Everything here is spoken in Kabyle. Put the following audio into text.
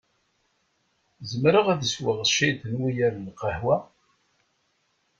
Zemreɣ ad sweɣ ciṭ n wugar n lqehwa?